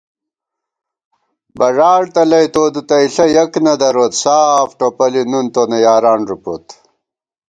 بژاڑ تلَئ تو دُتَئیݪہ یَک نہ دروت ساف ٹوپَلی نُن تونہ یاران ژُپوت